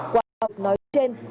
qua những lời nói trên